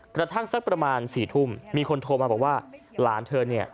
สักประมาณ๔ทุ่มมีคนโทรมาบอกว่าหลานเธอเนี่ย